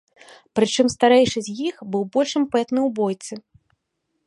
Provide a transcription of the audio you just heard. Прычым старэйшы з іх быў больш імпэтны ў бойцы.